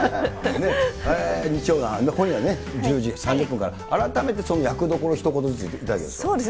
今夜１０時３０分から、改めてその役どころ、ひと言ずついただけますか。